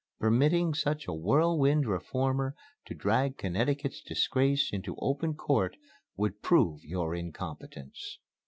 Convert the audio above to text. Permitting such a whirl wind reformer to drag Connecticut's disgrace into open court would prove your incompetence."